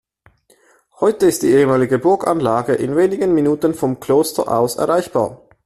Heute ist die ehemalige Burganlage in wenigen Minuten vom Kloster aus erreichbar.